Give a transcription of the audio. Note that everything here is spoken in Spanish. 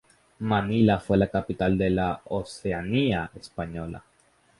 Manila fue la capital de la Oceanía española.